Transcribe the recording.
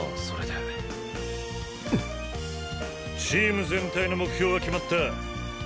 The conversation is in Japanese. チーム全体の目標は決まった。